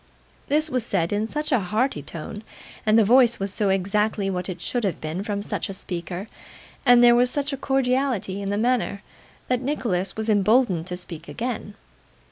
This was said in such a hearty tone, and the voice was so exactly what it should have been from such a speaker, and there was such a cordiality in the manner, that Nicholas was emboldened to speak again.